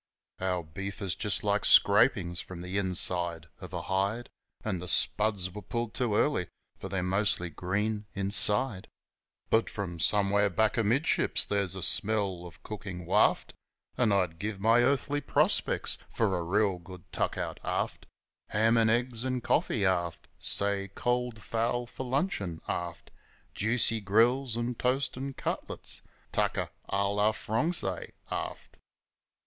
Our beef is just like scrapin's from the inside of a hide, And the spuds were pulled too early, for they're mostly green inside ; But from somewhere back amidships there's a smell o' cookin' waft, An' I'd give my earthly prospects for a real good tuck out aft Ham an' eggs, 'n' coffee, aft, Say, cold fowl for luncheon, aft, Juicy grills an' toast 'n' cutlets tucker a lor frongsy, aft.